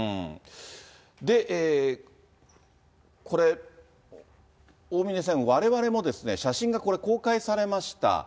で、これ、大峯さん、われわれに写真が公開されました。